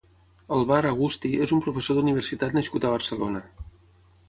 Alvar Agusti és un professor d'universitat nascut a Barcelona.